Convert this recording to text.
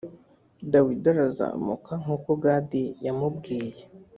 dawidi arazamuka nkuko gadi yamubwiye.